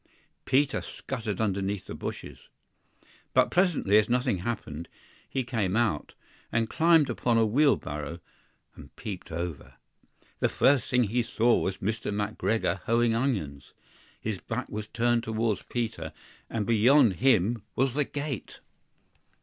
Peter scuttered underneath the bushes. But presently, as nothing happened, he came out, and climbed upon a wheelbarrow, and peeped over. The first thing he saw was Mr. McGregor hoeing onions. His back was turned towards Peter, and beyond him was the gate!